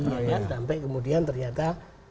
ya sampai kemudian ternyata